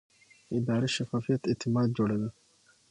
اداري شفافیت اعتماد جوړوي